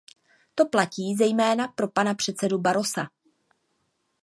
To platí zejména pro pana předsedu Barrosa.